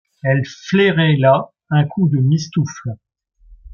Elle flairait là « un coup de mistoufle.